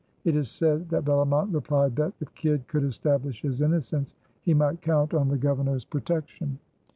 It is said that Bellomont replied that, if Kidd could establish his innocence, he might count on the Governor's protection.